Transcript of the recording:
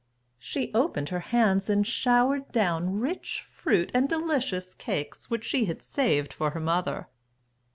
She opened her hands and showered down rich fruit and delicious cakes which she had saved for her mother.